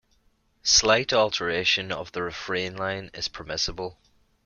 Slight alteration of the refrain line is permissible.